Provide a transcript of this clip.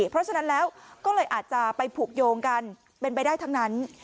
เพราะฉะนั้นแล้วก็เลยอาจจะไปผูกโยงกันเป็นไปได้ทั้งนั้น